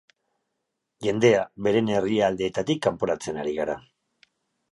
Jendea beren herrialdeetatik kanporatzen ari gara.